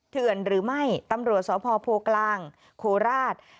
เถื่อนหรือไม่ตำรวจสพโพกลางโคราช